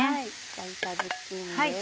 焼いたズッキーニです。